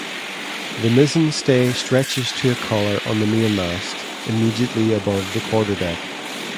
The mizzen-stay stretches to a collar on the main-mast, immediately above the quarter-deck.